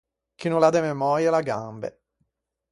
Chi no l’à de memöia l’à gambe.